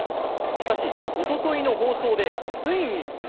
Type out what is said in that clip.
しかし、おとといの放送でついに。